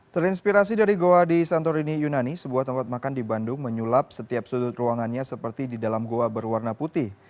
terinspirasi dari goa di santorini yunani sebuah tempat makan di bandung menyulap setiap sudut ruangannya seperti di dalam goa berwarna putih